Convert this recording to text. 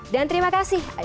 dan terima kasih